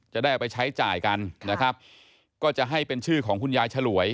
จะได้เอาไปใช้จ่ายกันนะครับก็จะให้เป็นชื่อของคุณยายฉลวย